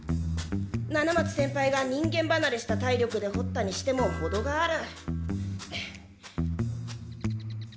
七松先輩が人間ばなれした体力でほったにしてもほどがある。